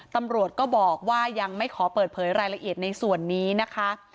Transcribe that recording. ตำรวจก็บอกว่ายังไม่ขอเปิดเผยรายละเอียดในส่วนนี้นะคะ